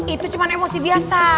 itu cuma emosi biasa